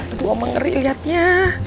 aduh oma ngeri liatnya